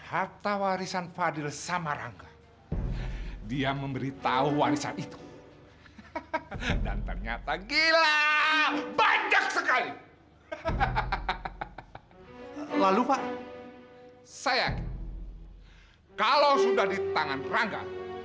harta warisan fadil sama rangga